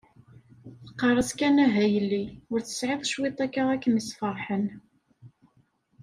Teqqar-as kan ah a yelli, ur tesɛiḍ cwiṭ akka ad kem-isferḥen.